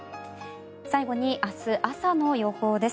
最後に明日朝の予報です。